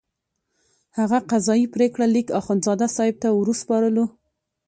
هغه قضایي پرېکړه لیک اخندزاده صاحب ته وروسپارلو.